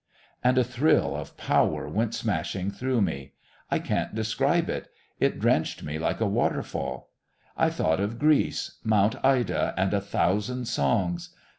And a thrill of power went smashing through me. I can't describe it. It drenched me like a waterfall. I thought of Greece Mount Ida and a thousand songs!